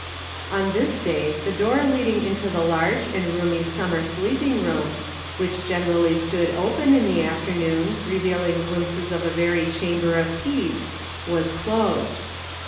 On this day the door leading into the large and roomy summer sleeping room, which generally stood open in the afternoon, revealing glimpses of a very chamber of peace, was closed.